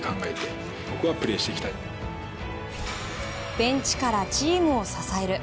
ベンチからチームを支える。